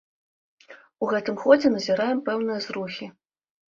У гэтым годзе назіраем пэўныя зрухі.